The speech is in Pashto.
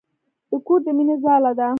د کور د مينې ځاله ده.